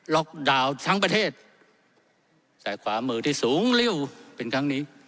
ดาวน์ทั้งประเทศใส่ขวามือที่สูงริ้วเป็นครั้งนี้